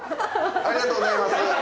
ありがとうございます。